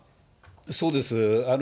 そうです。